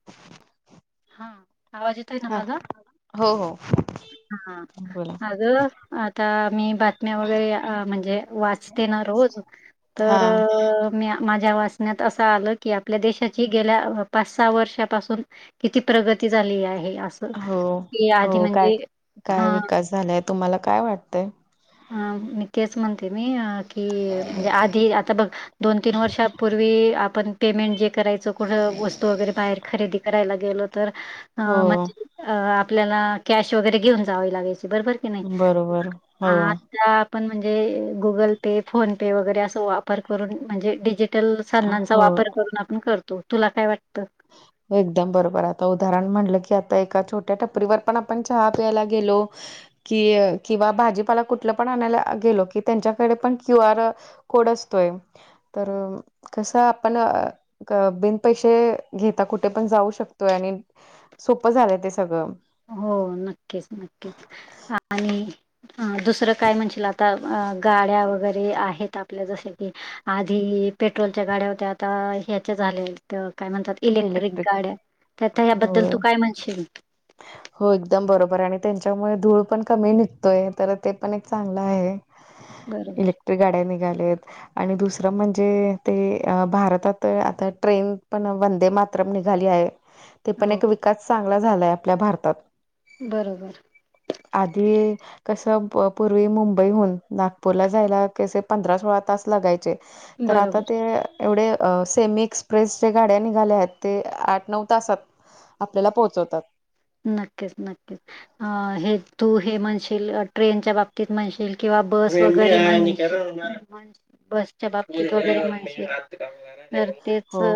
[inaudible] हा आवाज येत हा हो हो! हा बोला अगं आता मी बातम्या वगैरे, अ म्हणजे वाचते ना रोज. हा तर अ मी माझ्या वाचन्यात असं आलं की, आपल्या देशाची गेल्या पाच सहा वर्षापासून किती प्रगती झाली आहे असं, हो की आधी म्हणजे हा! झालंय तुम्हाला काय वाटतंय? ह [unintelligible] तेच म्हणते मी अ की म्हजे आधी आता बघ दोन, तीन वर्षापूर्वी आपण पेमेंट जे करायचो, कुठं वस्तू वगैरे बाहेर खरेदी करायला गेलो तर, अ हो म्हणजे अ आपल्याला कॅश वगैरे घेऊन जावावी लागायची बरबर की नाही बरोबर हो आ ल्या पण म्हणजे गुगल पे, फोन पे, वगैरे अस वापर करून म्हणजे डिजी टल सान्नाचा हो वापर करून आपण करतो, तुला काय वाटतं. एकदम बरोबर आता उदाहरण म्हणलं की आता एका छोट्या टपरीवर पण आपण चहा प्यायला गेलो कि किंवा भाजीपाला कुठलं पण आणायला गेलो, की त्यांच्याकडे पण क्यू आर कोड असतोय तर कसं आपण बिन पैसे घेता कुठे पण जाऊ शकतोय, आणि सोपं झालंय ते सगळं. हो नक्कीच, नक्कीच, आणि अ दुसरं काय म्हणशील आता अ गाड्या वगैरे आहेत आपल्या, जसे की आधी पेट्रोलच्या गाड्या होत्यात. ता ह्याचे झालेय. तर काय म्हणतात इलेक्ट्रिक गाड्या तर हबद्दल हो तू काय म्हणशील. हो एकदम बरोबर आहे आणि त्यांच्यामुळे धूळ पण कमी निघतोय तर ते पण एक चांगलं आहे. बरोबर. इलेक्ट्रिक गाड्या निघाल्यात. आणि दुसरं म्हणजे ते भारतात आता ट्रेन पण वंदे मात्रम निघाली आहे. हम. ते पण एक विकास चांगला झालाय आपल्या भारतात बरोबर. अधी कसं पूर्वी मुंबईहून नागपूरला जायला कसे पंधरा सोळा तास लगायचे. तर आता बरोबर. ते एवढे सेमी एक्सप्रेस जे गाड्या निघाल्या आहेत ते आठ नऊ तासात आपल्याला पोहोचवतात. नक्कीच नक्कीच. अ हे तू हे म्हणशील ट्रेनच्या बाबतीत म्हणशील किंवा बस वगैरे बसच्या बाबतीत वगैरे म्हणसे तर तेच हो.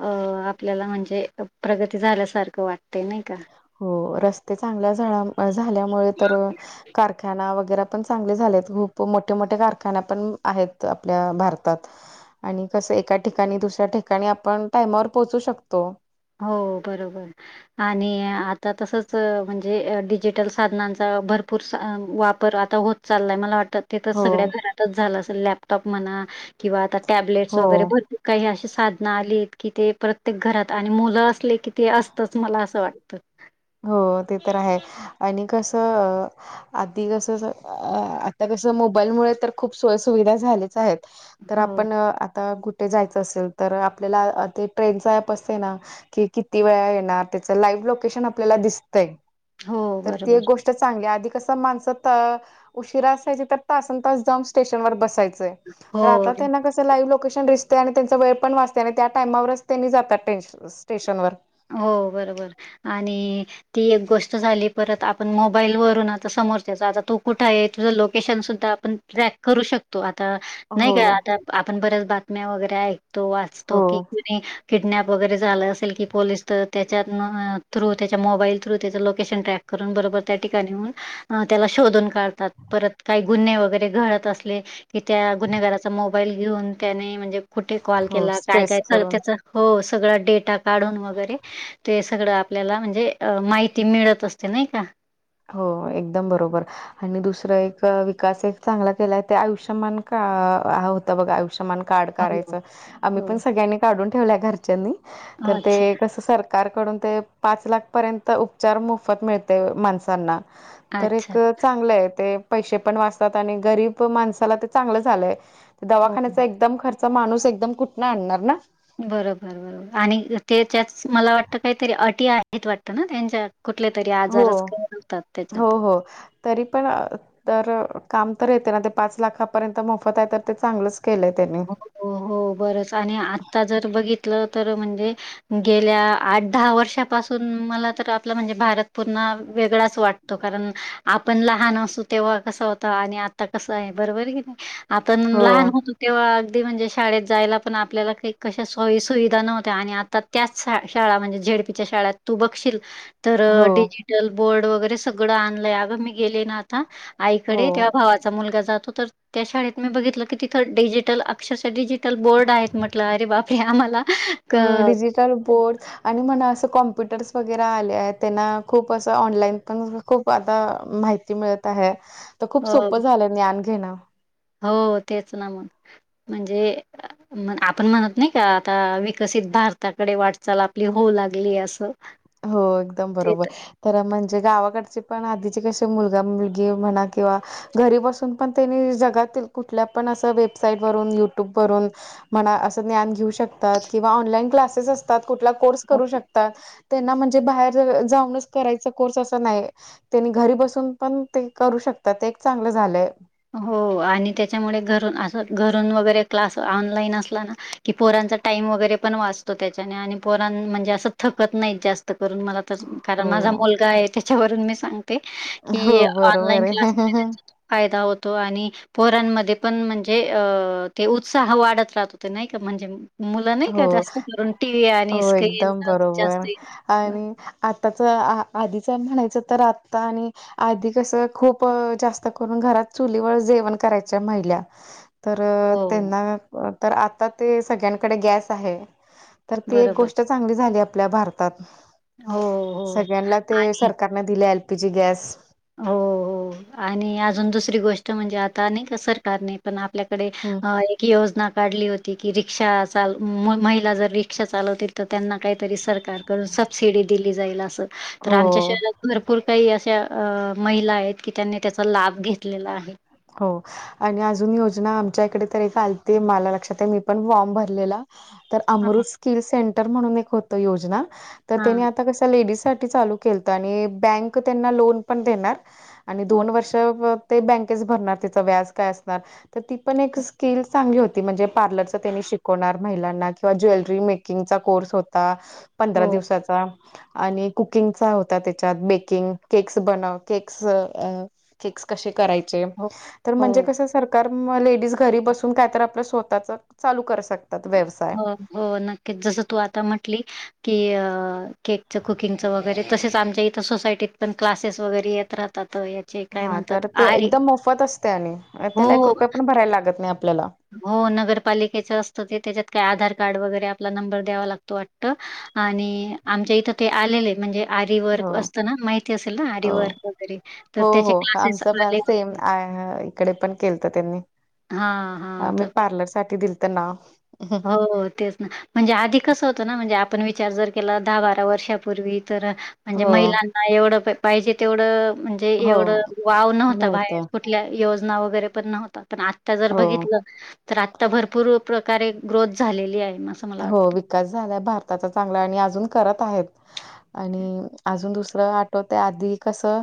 अ आपल्याला म्हणजे प्रगती झाल्यासारखं वाटतय नाही का? हो रस्ते चांगल्या झा झाल्यामुळे तर कारखाना वगैरे पण चांगले झालेत खूप मोठे मोठे कारखाना पण आहेत आपल्या भारतात आणि कसं एका ठिकाणी दुसऱ्या ठिकाणी आपण टायमावर पोहोचू शकतो. हो बरोबर. आणि आता तसच म्हणजे डिजिटल साधनांचा भरपूर वाप तर आता होत चाललाय मला वाटतं. ते तर हो सगळ्या घरातच झालं असल. लॅपटॉप म्हणा, किंवा आता टॅबलेट्स हो वगैरे भर काही अशी साधना आलीत की ते प्रत्येक घरात आणि मुलं असले की ते असतच मला असं वाटतं. [unintelligible] हो ते तर आहे आणि कसं? आधी जस आता कस मोबाईल मुळे तर खूप सोय सुुविधा झालीच आहेत. तर हो. आपण आता कुठे जायचं असेल तर आपल्याला ते ट्रेनच ऍप असते ना. कि किती वेळा येणार त्याच लाईव्ह लोकेशन आपल्याला दिसतंय हो, तर त बरोबर. गोष्ट चांगली आधी कस माणस त उशीरा असायची तर तासन तास जाऊन स्टेशन वर बसायचंय. तर आता हो. त्यांना कस सर लाईव्ह लोकेशन दिसतय, आणि त्यांचा वेळ पण वाचतय, आणि त्या टायमावरच त्यांनी जाताय स्टेशन वर हो बरोबर आणि ती एक गोष्ट झाली. परत आपण मोबाईलवरून आता समोरच्याचा आता तो कुठे आहे तुझं लोकेशन सुद्धा आपण ट्रॅक करू शकतो. आता नाही हो काय आता आपण बऱ्याच बातम्या वगैरे ऐकतो वाचतो हो कि कोण किडनॅप वगैरे झालं असेल कि पोलिस तर त्याच्या थ्रू त्याच्या मोबाईल थ्रू त्याचं लोकेशन ट्रॅक करून बरोबर त्या ठिकाणी होऊन. अ त्याला शोधून काढतात परत काही गुन्हे वगैरे घळत असले. कि त्या गुन्हेगाराचा मोबाईल घेऊन त्याने म्हणजे कुठे कॉल हो केला काय स्ट्रेस काय करून त्याच हो सगळा डेटा काढून वगैरे ते सगळं आपल्याला म्हणजे माहिती मिळत असते नाही का? हो एकदम बरोबर. आणि दुसरं एक विकास एक चांगला केला आहे ते आयुष्यमान का होता बघा आयुष्यमान कार्ड हो, काढायच. आम्ही पण हो. सगळ्यांनी काढून ठेवलय घरच्यांनी तर अच्छा, ते कस सर कार्ड काढून ते पाच लाख पर्यंत उपचार मोफत मिळते माणसांना तर अच्छा. एक चांगलं आहे ते पैसे पण वाचतात आणि गरीब माणसाला ते चांगलं झालंय. हो. दवाखान्याचा एकदम खर्च माणूस एकदम कुठन आणणार ना. बरोबर बरोबर आणि ते त्याच मला वाटत काहीतरी अटी आहेत वाटतं ना त्यांच्या कुठले तरी हो. आजारच कव्हर होतात हो त्याच्यात हो. तरी पण तर काम तर येते ना ते पाच लाखापर्यंत मोफत आहे तर ते चांगलंच केलंय त्यांनी हो हो बरंच आणि आत्ता जर बघितलं तर म्हणजे गेल्या आठ दहा वर्षापासून मला तर आपला म्हणजे भारत पुन्हा वेगळाच वाटत. तो कारण आपण लहान असू तेव्हा कस होत. आणि आता कसं आहे. बरोबर कि नाही. आता हो. लहान होत. तेव्हा अगदी म्हणजे शाळेत जायला पण आपल्याला काही कशा सोयी सुुविधा नव्हत्या आणि आता त्याच शाळा म्हणजे झेडपीच्या शाळेत तू बघशील. तर हो डिजिटल बोर्ड वगैरे सगळं आणलंय अगं मी गेले ना. अ.. हो आईकडे तेव्हा भावाचा मुलगा जातो तर त्या शाळेत मी बघितलं किती? डिजिटल अक्षरशः डिजिटल बोर्ड आहेत म्हटलं अरे बापरे आम्हाला क अ डीजिटल बोर्ड आणि म्हणा असं कॉम्प्युटर्स वगैरे आले आहेत त्यांना खूप असं ऑनलाईन पण खूप आता माहिती मिळत आहे तर खूप अ, सोपं झालंय ज्ञान घेणं. हो तेच ना म्ह म्हणजे म आपण म्हणत नाही का आता विकसित भारताकडे वाटचाल आपली होऊ लागली असं. हो एकदम बरोबर. तर म्हणजे गावाकडचे पण आधीचे कसे मुलगा मुलगी म्हणा किंवा घरी बसून पण त्यांनी जगातील कुठल्या पण असं वेबसाईट वरून युट्यूब वरून म्हणा असं ज्ञान घेऊ शकतात किंवा ऑनलाईन क्लासेस असतात कुठला कोर्स हो. करू शकतात. त्यांना म्हणजे बाहेर जाऊनच करायचा कोर्स अस नाही. त्यांनी घरी बसून पण ते करू शकतात ते एक चांगलं झालंय. हो आणि त्याच्यामुळे घरून अस घरून वगैरे क्लास ऑनलाईन असला ना. कि पोरांचा टाइम वगैरे पण वाचतो त्याच्याने आणि पोरां म्हणजे असं थकत नाहीत जास्त करून मला कारण हो माझा मुलगा आहे त्याच्यावरून मी सांगते हो की बरोबर ऑनलाईन आहे. क्लास फायदा होत. आणि पोरांमध्ये पण म्हणजे अ ते उत्साह वाढत राहत हो ते नाही का म्हणजे मुलं नाही का हो जास्त करून टी व्ही आणि हो स्क्रीन एकदम जास्त बरोबर आणि आताच आ आधीच म्हणायचं तर आत्ता आणि आधी कसं खूप जास्त करून घरात चुलीवर जेवण करायच्या महिला तर हो त्यांना तर आता ते सगळ्यांकडे गॅस आहे. तर ती एक बरोबर. गोष्ट चांगली झाली आपल्या भारतात हो, हो सगळ्यांना ते आणि सरकार दिले एल पीजी गॅस हो हो आणि अजून दुसरी गोष्ट म्हणजे आता नाही का सरकारने पण आपल्याकडे हम. एक योजना काढली होती की रिक्षा चाल महिला जर रिक्षा चालवतील. तर त्यांना काहीतरी सरकारकडून सबसिडी दिली जाईल असं. तर आमच्या हो शहरात भरपूर काही अशा अ महिला आहेत की त्यांनी त्याचा लाभ घेतलेला आहे. हो आणि अजून योजना आमच्या इकडे तर एक आलती मला लक्षात आहे मी पण फॉर्म भरलेला. तर हां, अमृत स्किल सेंटर म्हणून एक होत योजना तर हां. त्यांनी आता कस लेडीजसाठीठी चालू केलं तर आणि बँक त्यांना लोन पण देणार. आणि हो, दोन वर्ष ते बँकच भरणार तिचा व्याज काय असणार. तर ती पण एक स्किल चांगली होती म्हणजे पार्लरच त्यांनी शिकवणार महिलांना किंवा ज्वेलरी मेक कुकिंगचा कोर्स होता पंधरा हो, दिवसाचा आणि कुकिंगचा होता त्याच्यात बेकिंग केक्स बनव केक्स केक्स करायचे हो, तर हो, म्हणजे कस सारखं तर म लेडीज घरी बसून काय तर आपल्या स्वतःच चालू करू शकतात व्यवस हो, नक्कीच जस तू आता म्हटली की केक च कुकिंगचं वगैरे तसेच आमच्या इ सोसायीत पण क्लासेस वगैरे येत राहात. हा तर ते एकदम मोफत असते आणि हो, त्याला एक हो. रुपये पण भरायला लागत नाही आपल्याला. हो नगरपालिकेचं असतं ते त्याच्यात काय आधार कार्ड वगैरे आपला नंबर द्यावा लागतो त वाटत आणि आमच्या इथं ते आलेले म्हणजे आरी हो वर्क असत ना माहिती असेल ना आरी हो वर्क वगैरे तर हो त्याचे हो क्लासेस आमचं पण आले. सेम इकडे पण केलत त्यांनी. हा हा. मी पार्लर साठी दिलत ना हो तेच ना म्हणजे आधी कसं होतं ना म्हणजे आपण विचार जर केला दहा बारा वर्षापूर्वी तर म्हणजे हो महिलांना एवढं पाहिजे तेवढं म्हणजे हो एवढं वाव नव्हतां नव्हतं बाहेर योजना वगैरे पण नव्हता पण आता जर हो बघितलं तर आता भरपूर प्रकारे ग्रोथ झालेली आहे मस् हो विकास झाला भारताचा चांगला आणि अजून करत आहेत. आणि अजून दुसरं आठवत आधी कसं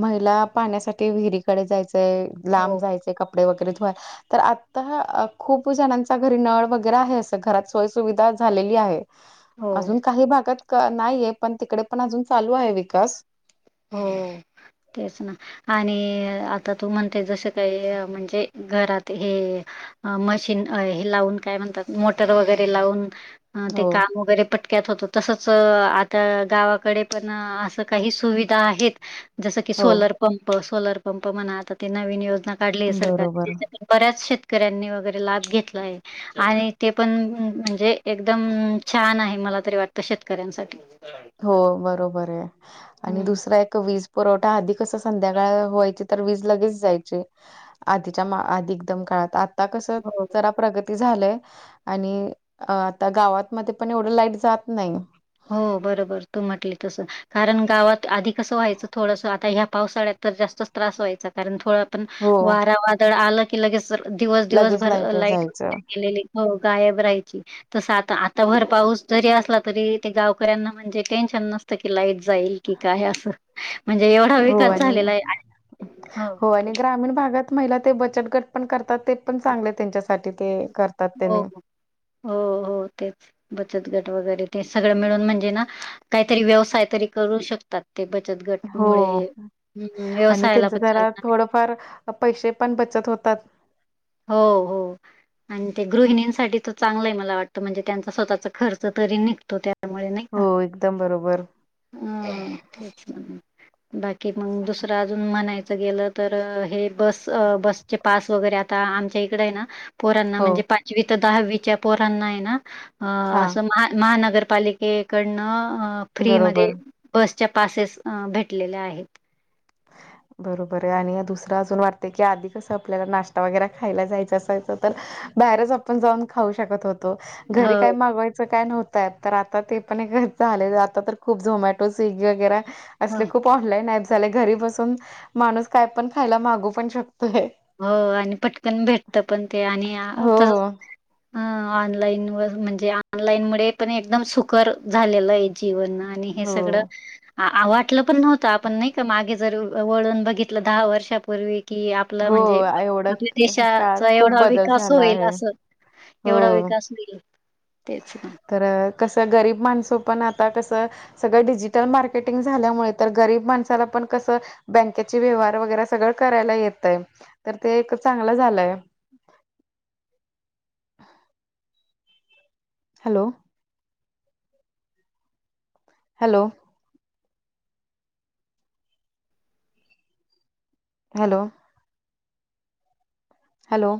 महिला पाण्यासाठी विहिरी डे जायचंय लांब हो, जायच क क वगैरे धुवाय तर आता खूप जणांचा घरी नळ वगैरे आहे अस घरात सोय सुविधा झालेली आहे हो, अजून काही भागात नाहीये पण तिकडे पण अजून चालू आहे विकास हो तेच ना आणि आता तू म्हणते जसं काही म्हणजे घरात हे. मशीन हे लावून काय म्हणतात मोटर वगैरे लावून ते हो, काम वगैरे पट तसच आता गावाकडे पण अस काही सुविधा आहेत. जसं की हो. सोलर पंप सोलर पंप म्हणा आता ते नवीन योजना काढलीय सरकार. बरोबर. बऱ्याच शेतकऱ्यांनी वगैरे लाभ घेतला आहे आणि ते पण म्हणजे एकदम छान आहे मला तरी वाटतं शेतकऱ्यांसाठी हो बरोबर आहे आणि हम्म. दुसरा एक वीज पुरवठा आधी कस संध्याकाळ व्हायची. तर वीज लगेच जायचे आधीच्या आधी एकदम काळात आता कस हो. जरा प्रग- झालंय आणि आता गावातमध्ये पण एवढं लाईट जात नाही. हो बरोबर तू म्हटली तसं. कारण गावात आधी कसं व्हायचं थोडस आता ह्या पावसाळ्यात तर जास्तच त्रास व्हायचा. कारण थोडं पण हो वारा वादळ आलं की लगेच दिवस दिवस लगेच भर लाईट लाईटैे जायचं गलेली. हो गायब राहायची तस आता आता भर पाऊस जरी असला तरी ते गावकऱ्यांना म्हणजे टेन्शन नस की लाईट जाईल की काय असं म्हणजे एवढा हो विकास आणि झालेला आहे हो. हो आणि बोल. ग्रामीण भागात महिला ते बचत गट पण करतात ते पण चांगले त्यांच्यासाठी ते कर हो हो हो तेच बचत गट वगैरे ते सगळं मिळून म्हणजे ना काहीतरी व्यवसाय तरी करू शकतात. ते बचत गट हो मुळे हम् व्यवसायाला पण चालणार. फार पैसे पण बचत होतात. हो हो आणि ते गृहिणींसाठी त चांगलंय मला वाटतं म्हणजे त्यांचा स्वतःचा खर्च तरी निघतो त्या त्यामुळे नाही का हो एकदम बरोबर हम् तेच बाकी मग दुसरं अजून म्हणायचं गेलं तर हे बस बसचे पास वगैरे आ ता आमच्या इकड आहे ना पोरांना हो म्हणजे पाचवी तर दहावीच्या पोरांना आहे ना अ हा असं महा महानगरपालिकेकडनं बरोबर फ्रीमध्येध्ये बसच्या पासेस भेटलेल्या आहेत. बरोबर आहे आणि दुसरं अजून वाटतं की आधी कसं आपल्याला नाश्ता वगैरे खायला जायचं असायचं तर, बाहेरच आपण जाऊन खाऊ शकत होतो घरी हो काय मागवायचं काय नव्हतं. तर आता ते पण एक आले आता तर खूप झोमॅटो स्विगी वगैरे हो असले खूप, ऑनलाईन ऍप झाले घरी बसून माणूस काय पण खायला मागू पण शकतोय. हो आणि पटकन भेटत पण ते आणि त हो ह ऑनलाईन व म्हणजे ऑनलाईन मु पण एकदम सुकर झालेलं आहे. जीवन आणि हे सगळं हो वाटलं पण नव्हतं आपण नाही का मागे वळून बघितलं दहा वर्षापूर् क आपलं हो म्हणजे एवढं आपल्या काळात देशाचा खूप एवढा बदल विकास झाला होईल आहे असं. एवढा हो. विकास मिल तेच पण तर कसं गरीब माणसं पण आता कसं? सगळं डिजिटल मार्केटिंग झाल्यामुळे तर गरीब माणसाला पण कसं? बँकेचे व्यवहार वगैरे सगळं करायला येतय तर ते एक चांगलं झालंय. हॅलो. हॅलो. हॅलो. हॅलो.